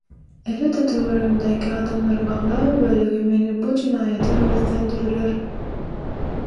Elbetde töweregimdäki adamlaryň aglaba bölegi meni bu jenaýata höweslendirdiler.